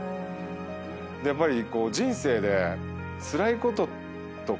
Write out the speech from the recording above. やっぱり人生で。